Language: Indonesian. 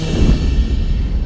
nah kalau saya boleh minta informasi